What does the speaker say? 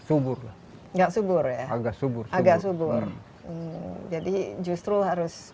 subur enggak subur agas subur agak sugu vesundari justru harus